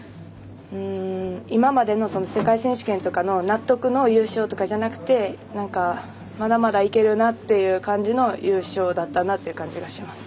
今までの世界選手権とかの納得の優勝とかじゃなくてまだまだいけるなっていう感じの優勝だったなという感じがします。